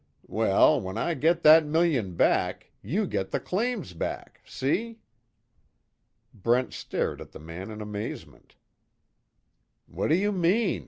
Well, when I get that million back you get the claims back see?" Brent stared at the man in amazement: "What do you mean?